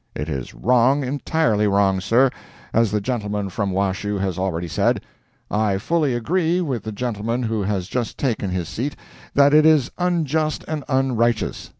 It is wrong entirely wrong, sir (as the gentleman from Washoe has already said); I fully agree (with the gentleman who has just taken his seat) that it is unjust and unrighteous.